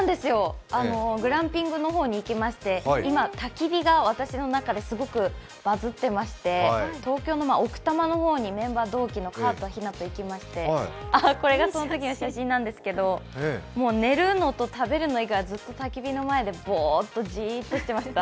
グランピングの方に行きまして今、たき火が私の中ですごくバズってまして東京の奥多摩の方にメンバーの河田陽菜と行きましてこれがそのときの写真なんですけど、寝るのと食べるの以外はずっとたき火の前でボーッとジーッとしてました。